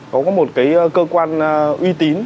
có một cái cơ quan uy tín